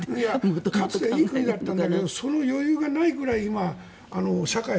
かつていい国だったんだけどその余裕がないくらい今、社会が。